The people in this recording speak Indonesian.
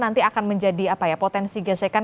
nanti akan menjadi potensi gesekan